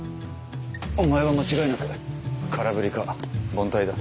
お前は間違いなく空振りか凡退だ。